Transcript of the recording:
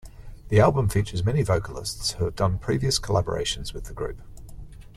The album features many vocalists who have done previous collaborations with the group.